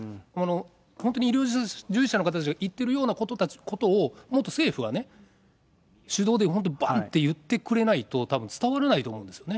本当に医療従事者の方たちが言ってるようなことを、もっと政府はね、主導で、本当にばんって言ってくれないと、たぶん伝わらないと思うんですね。